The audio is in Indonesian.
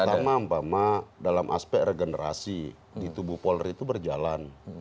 pertama mpama dalam aspek regenerasi di tubuh polri itu berjalan